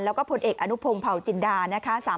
แล้วก็ผลเอกอนุพงศ์เผาจินดานะคะ